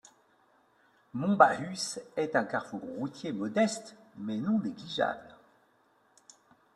Monbahus est un carrefour routier modeste mais non négligeable.